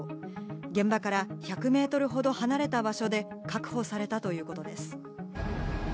現場から１００メートルほど離れた場所で確保されたということです。